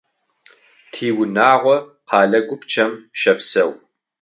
Тиунагъо къэлэ гупчэм щэпсэу.